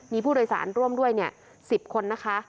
มีผู้โดยสารร่วมด้วย๑๐คนนะคะ